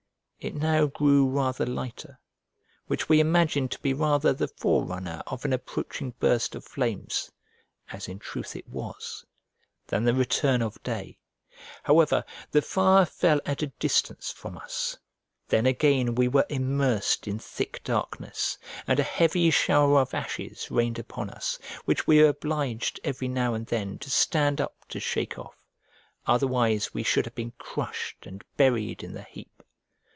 It now grew rather lighter, which we imagined to be rather the forerunner of an approaching burst of flames (as in truth it was) than the return of day: however, the fire fell at a distance from us: then again we were immersed in thick darkness, and a heavy shower of ashes rained upon us, which we were obliged every now and then to stand up to shake off, otherwise we should have been crushed and buried in the heap.